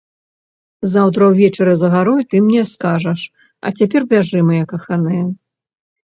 Заўтра ўвечары за гарой ты мне скажаш, а цяпер бяжы, мая каханая!